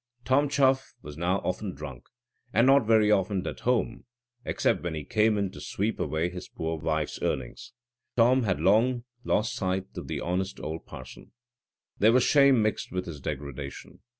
Tom Chuff was now often drunk, and not very often at home, except when he came in to sweep away his poor wife's earnings. Tom had long lost sight of the honest old parson. There was shame mixed with his degradation.